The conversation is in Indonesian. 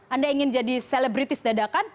anda ingin jadi selebritis dadakan